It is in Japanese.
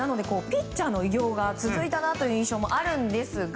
ピッチャーの偉業が続いたなという印象もあるんですが